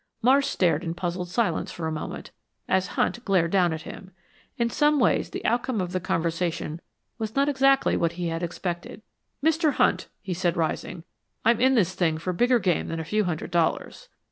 Marsh stared in puzzled silence for a moment, as Hunt glared down at him. In some ways the outcome of the conversation was not exactly what he had expected. "Mr. Hunt," he said, rising, "I'm in this thing for bigger game than a few hundred dollars."